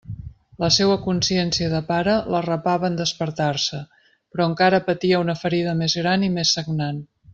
La seua consciència de pare l'arrapava en despertar-se, però encara patia una ferida més gran i més sagnant.